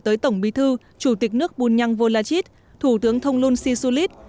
tới tổng bí thư chủ tịch nước bùn nhăng vô la chít thủ tướng thông luân si su lít